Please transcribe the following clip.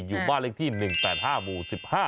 อยู่บ้านเลขที่๑๘๕หมู่๑๕